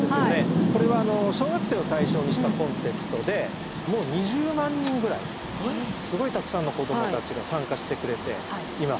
これは小学生を対象にしたコンテストでもう２０万人ぐらいすごいたくさんの子どもたちが参加してくれています。